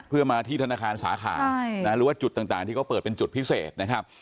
เพื่อมาที่ธนาคารสาขาหรือว่าจุดต่างที่เขาเปิดเป็นจุดพิเศษนะครับ